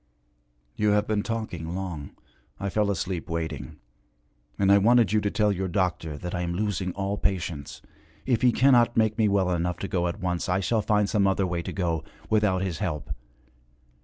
'You have been talking long I fell asleep waiting. And I wanted you to tell your doctor that I am losing all patience. If he cannot make me well enough to go at once, I shall find some other way to go without his help.